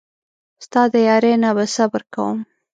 ستا د یارۍ نه به صبر کوم.